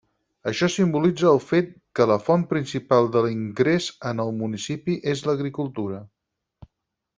Això simbolitza el fet que la font principal de l'ingrés en el municipi és l'agricultura.